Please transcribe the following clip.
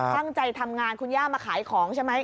ตั้งใจทำงานคุณย่ามาขายของใช่ไหม